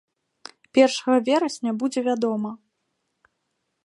Першага верасня будзе вядома.